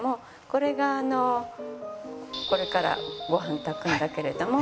これがあのこれからご飯炊くんだけれども。